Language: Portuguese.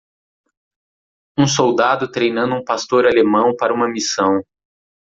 Um soldado treinando um pastor alemão para uma missão.